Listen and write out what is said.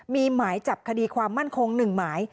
มีหมายจับคดีความมั่นคง๑หมาย